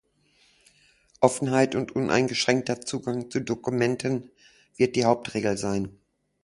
Offenheit und uneingeschränkter Zugang zu Dokumenten wird die Hauptregel sein.